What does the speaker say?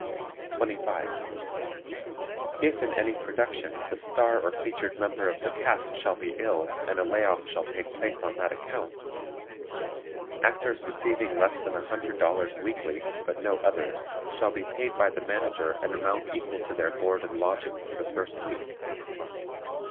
25. If in any production the star or featured member of the cast shall be ill and a lay off shall take place on that account, Actors receiving less than $100.00 weekly (but no others) shall be paid by the Manager an amount equal to their board and lodging for the first week.